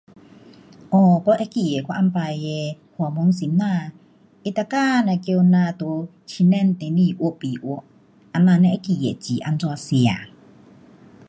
哦，我会记得我以前的华文先生，他每天都叫咱在桌子上面画笔画。这样才会记得字怎样写。